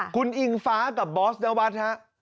คุณอิงฟ้ากับบอสนวัฒน์ฮะ